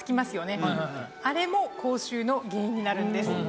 あれも口臭の原因になるんです。